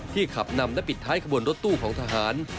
ขับนำและปิดท้ายขบวนรถตู้ของทหาร